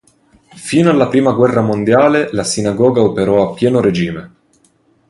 Fino alla prima guerra mondiale la sinagoga operò a pieno regime.